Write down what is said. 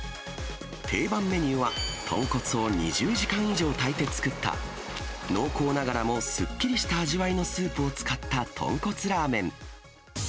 定番メニューは豚骨を２０時間以上炊いて作った、濃厚ながらもすっきりした味わいのスープを使った豚骨ラーメン。